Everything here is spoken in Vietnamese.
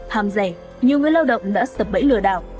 hàm rẻ nhiều người lao động đã sập bẫy lừa đảo